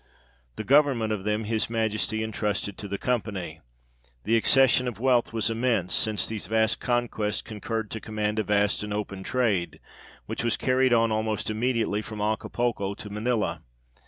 The government of them his Majesty entrusted to the Company. The accession of wealth was immense, since these distant conquests concurred to command a vast and open trade, which was carried on, almost immediately, from Acapulco to Manilla.